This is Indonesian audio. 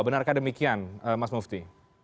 benarkah demikian mas mufti